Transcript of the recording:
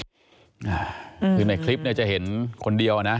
ฮือคือในคลิปจะเห็นคนเดียวนะ